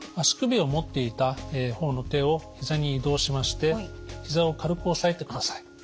足首を持っていた方の手をひざに移動しましてひざを軽く押さえてください。